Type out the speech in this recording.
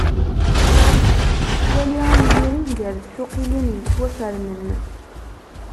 Wali amgired gar tsuqilin yettwafernen.